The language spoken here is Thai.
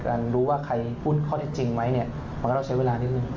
รู้ว่าใครพูดข้อเท็จจริงไหมเนี่ยมันก็ต้องใช้เวลานิดนึง